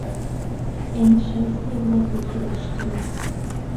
ئێمە شایستەی وڵاتێکی باشترین